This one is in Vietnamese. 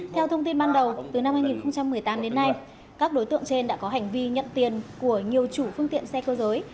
theo thông tin ban đầu từ năm hai nghìn một mươi tám đến nay các đối tượng trên đã có hành vi nhận tiền của nhiều chủ phương tiện xe cơ giới